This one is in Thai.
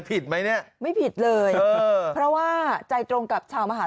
ผิดไหมเนี่ยไม่ผิดเลยเออเพราะว่าใจตรงกับชาวมหา